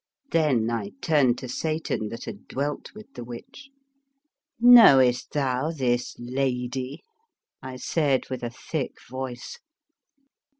Then I turned to Satan that had dwelt with the witch: " Knowest thou this lady? " I said, with a thick voice.